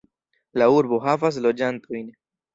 La urbo havas loĝantojn.